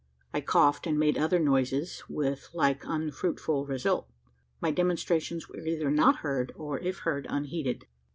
I coughed and made other noises, with like unfruitful result. My demonstrations were either not heard, or if heard, unheeded.